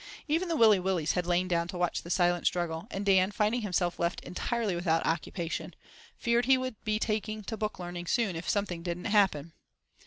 Even the Willy Willys had lain down to watch the silent struggle, and Dan, finding himself left entirely without occupation, "feared he would be taking to booklearning soon if something didn't happen!"